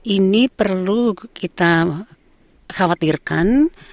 ini perlu kita khawatirkan